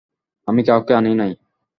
আমি কাউকে আনি নাই।